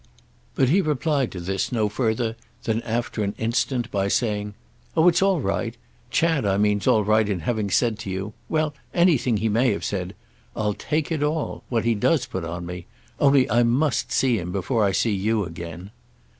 _" But he replied to this no further than, after an instant, by saying: "Oh it's all right. Chad I mean's all right in having said to you—well anything he may have said. I'll take it all—what he does put on me. Only I must see him before I see you again."